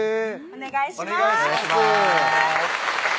お願いします